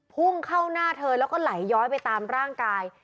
พุ่งเข้าหน้าเธอแล้วก็ไหลย้อยไปตามร่างกาย